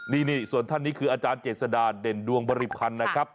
นี่ส่วนท่านนี้คืออาจารย์เจษดาเด่นดวงบริพันธ์นะครับ